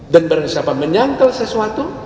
dan barang siapa menyangkal sesuatu